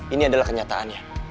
ini adalah kenyataannya